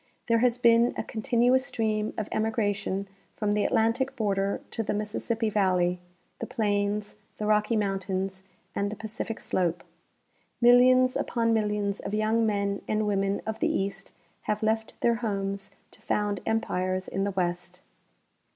There has been a continuous stream of emigration from the Atlantic border to the Mississippi valley, the plains, the Rocky mountains, and the Pacific slope. Millions upon millions of young men and women of the east have left their homes to found empires in the west.